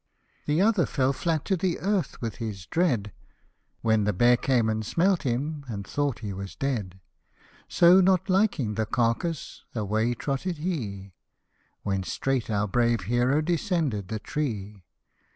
71 The other fell flat to the earth with his dread, When the bear came and smelt him, and thought he was dead ; So not liking the carcase away trotted he, When straight our brave hero descended the tree.